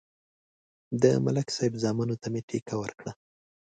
د ملک صاحب زامنو ته مې ټېکه ورکړه.